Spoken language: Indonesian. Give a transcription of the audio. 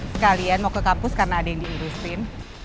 sekalian mau ke kampus karena ada yang diidustrin